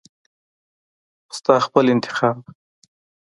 ستا خپل انتخاب .